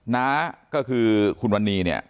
น้าก็คือคุณวันนี้เนี่ย